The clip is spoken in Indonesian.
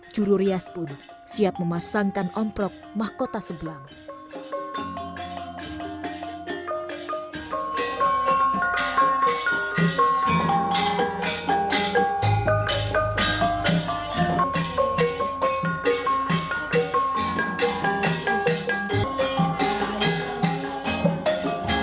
jururias pun siap memasangkan omprok mahkota sebelah